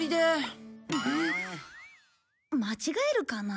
間違えるかな？